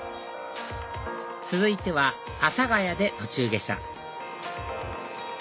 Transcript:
続いては阿佐ケ谷で途中下車